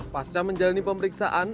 pasca menjalani pemeriksaan